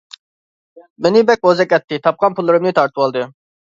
مېنى بەك بوزەك ئەتتى، تاپقان پۇللىرىمنى تارتىۋالدى.